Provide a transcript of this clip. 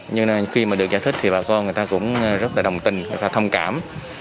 nhưng khi mà được giải thích thì bà con người ta cũng rất là đồng tình thông cảm